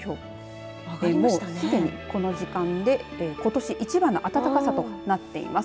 もうすでに、この時間でことし一番の暖かさとなっています。